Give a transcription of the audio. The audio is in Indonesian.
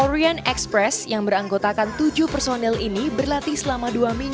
siapa yang tidak kenal lagu goyang dumang